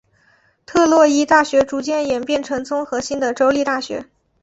特洛伊大学逐渐演变成综合性的州立大学。